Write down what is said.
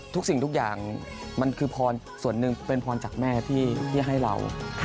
ทุกสิ่งทุกอย่างมันคือพรส่วนหนึ่งเป็นพรจากแม่ที่ให้เรา